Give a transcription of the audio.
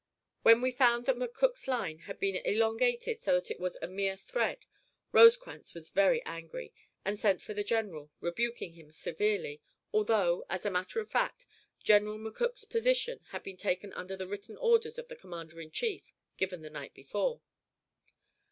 When we found that McCook's line had been elongated so that it was a mere thread, Rosecrans was very angry, and sent for the general, rebuking him severely, although, as a matter of fact, General McCook's position had been taken under the written orders of the commander in chief, given the night before.